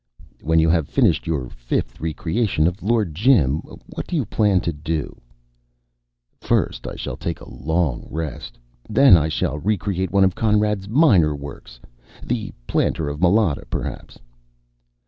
"When you have finished your fifth re creation of Lord Jim, what do you plan to do?" "First I shall take a long rest. Then I shall re create one of Conrad's minor works. The Planter of Malata, perhaps."